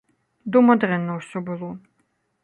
Дома дрэнна усё было.